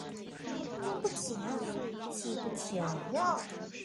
对不起啊记不起来了